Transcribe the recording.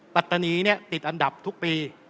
ปัตตานีติดอันดับทุกปี